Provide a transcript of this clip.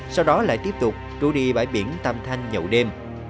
sau đó lại tiếp tục trú đi bãi biển tam thanh nhậu đêm